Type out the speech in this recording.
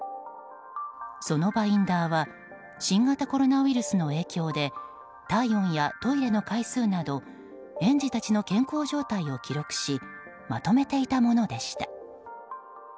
そのバインダーは新型コロナウイルスの影響で体温やトイレの回数など園児たちの健康状態を記録しまとめていたものでした。